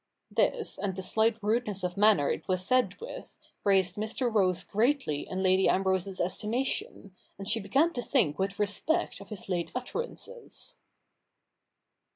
This and the slight rudeness of manner it was said with, raised Mr. Rose greatly in Lady Ambrose's estima tion, and she began to think with respect of his late utterances.